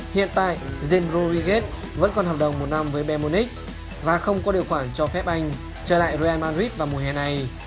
hiện tại zembro righet vẫn còn hợp đồng một năm với bayern munich và không có điều khoản cho phép anh trở lại real madrid vào mùa hè này